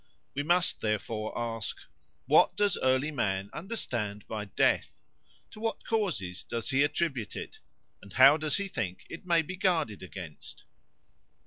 We must, therefore, ask: What does early man understand by death? To what causes does he attribute it? And how does he think it may be guarded against?